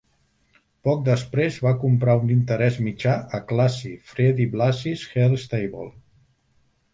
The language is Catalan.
Poc després, va comprar un "interès mitjà" a "Classy" Freddie Blassie's heel stable".